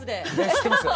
知ってます？